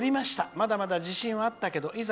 まだまだ自信はあったけどいざ